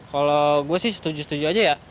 kalau gue sih setuju setuju aja ya